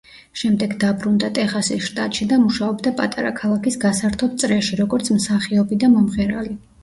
შემდეგ დაბრუნდა ტეხასის შტატში და მუშაობდა პატარა ქალაქის გასართობ წრეში, როგორც მსახიობი და მომღერალი.